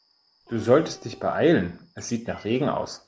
Du solltest dich beeilen, es sieht nach Regen aus.